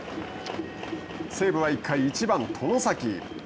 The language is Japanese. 西武は１回１番外崎。